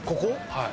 はい。